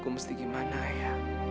aduh gue mesti gimana ya